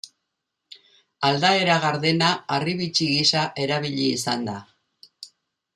Aldaera gardena harribitxi gisa erabili izan da.